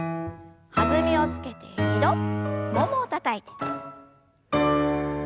弾みをつけて２度ももをたたいて。